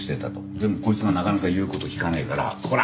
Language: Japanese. でもこいつがなかなか言う事聞かねえから「コラ！」